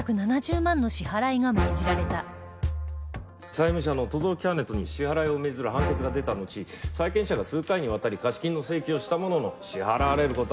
債務者の轟木羽人に支払いを命ずる判決が出たのち債権者が数回にわたり貸金の請求をしたものの支払われる事はなく。